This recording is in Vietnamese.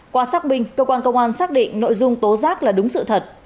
qua xác minh cơ quan công an xác định nội dung tố giác là đúng sự thật